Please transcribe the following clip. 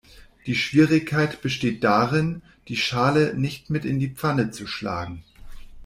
Die Schwierigkeit besteht darin, die Schale nicht mit in die Pfanne zu schlagen.